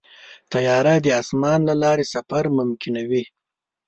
طیاره د اسمان له لارې سفر ممکن کوي.